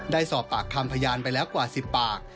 ได้สอบปากคำพยานไปแล้วกว่า๑๐ปาก